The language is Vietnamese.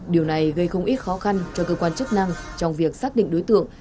điều này gây không ít khó khăn cho cơ quan chức năng trong việc xác định đối tượng